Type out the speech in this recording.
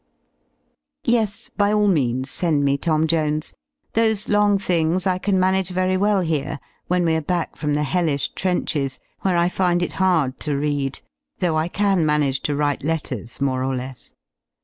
Yes, by all means send me "Tom Jones" : those long things I can manage very well here, when we are back from the hellish trenches, where I find it hard to read, though I can manage to write letters, more or less.